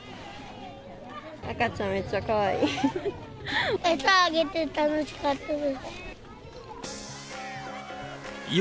赤ちゃん、めっちゃかわいい。